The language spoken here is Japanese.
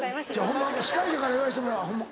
ホンマ司会者から言わせてもらうホンマ